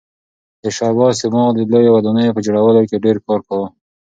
د شاه عباس دماغ د لویو ودانیو په جوړولو کې ډېر کار کاوه.